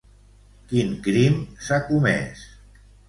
Quin crim s'ha comès?